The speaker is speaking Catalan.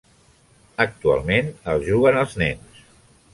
Actualment el juguen els nens.